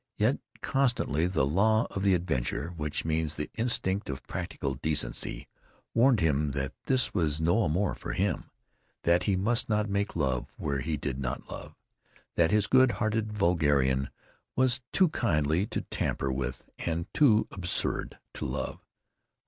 Yet constantly the law of the adventurer, which means the instinct of practical decency, warned him that this was no amour for him; that he must not make love where he did not love; that this good hearted vulgarian was too kindly to tamper with and too absurd to love.